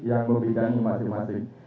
yang membidangi masing masing